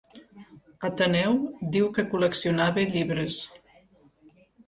Ateneu diu que col·leccionava llibres.